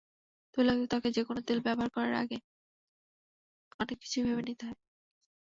তৈলাক্ত ত্বকে যেকোনো তেল ব্যবহারের আগে অনেক কিছুই ভেবে নিতে হয়।